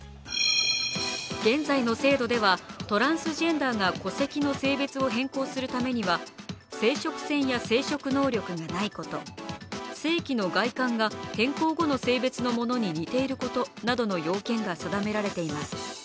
現在の制度ではトランスジェンダーが戸籍の性別を変更するためには生殖腺や生殖能力がないこと、性器の外観が変更後の性別に似ていることなどの要件が定められています。